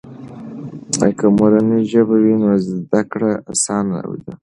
که مورنۍ ژبه وي، نو زده کړه آسانه ده.